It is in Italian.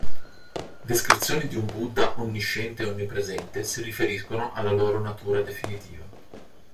Descrizioni di un Buddha onnisciente e onnipresente si riferiscono alla loro natura definitiva.